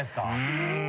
うん。